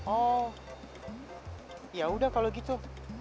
oh ya udah kalau gitu